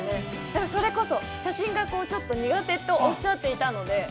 だからそれこそ、写真がちょっと苦手とおっしゃっていたので。